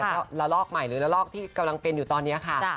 แล้วระลอกใหม่หรือละลอกที่กำลังเป็นอยู่ตอนนี้ค่ะ